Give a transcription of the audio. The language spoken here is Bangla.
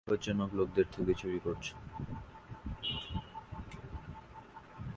মহাবিপজ্জনক লোকদের থেকে চুরি করছ।